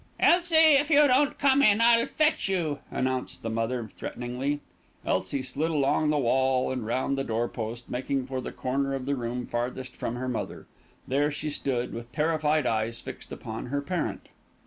"Elsie, if you don't come in, I'll fetch you," announced the mother threateningly. Elsie slid along the wall and round the door post, making for the corner of the room farthest from her mother. There she stood with terrified eyes fixed upon her parent.